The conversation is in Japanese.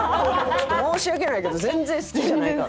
「ちょっと申し訳ないけど全然好きじゃないから」。